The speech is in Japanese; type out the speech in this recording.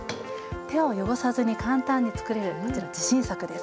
手を汚さずに簡単につくれるこちら自信作です。